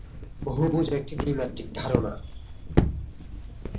বহুভুজ একটি দ্বিমাত্রিক ধারণা।